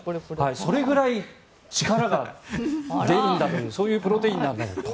それぐらい力が出るんだというそういうプロテインなんだと。